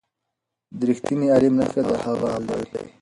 د رښتیني عالم نښه د هغه عمل دی.